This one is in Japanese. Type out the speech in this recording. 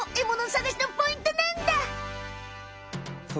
さがしのポイントなんだ！